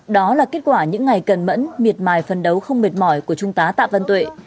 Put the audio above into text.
đó là kết quả những ngày cần mẫn miệt mài phân đấu không mệt mỏi của trung tá tạ văn tuệ